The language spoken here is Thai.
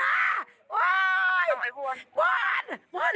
โหวนโหวน